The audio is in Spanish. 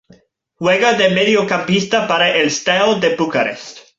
Juega de mediocampista para el Steaua de Bucarest.